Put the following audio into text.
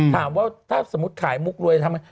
ถามว่าถ้าสมมุติขายมุกรวยทำไม